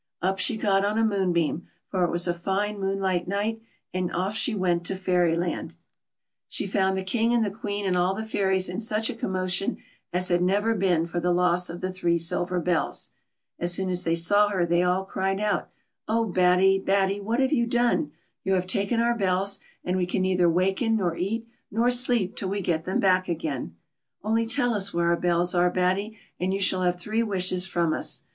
Up she got on a moonbeam, for it was a fine moon light night, and off she went to Fairyland. She found " They roofed the turrets with the bells, then sat Jowii to dinner." — }'>i);e 214. BAllY. 215 the King and the Queen and all the fairies in such a commotion as had never been, for the loss of the three silver bells. As soon as they saw her, they all cried out :*' Oh ! Batty, Batty, what have you done ! You have taken our bells, and we can neither waken, nor eat, nor sleep till we get them back again. Only tell us where our bells are, Batty, and you shall have three wishes from us.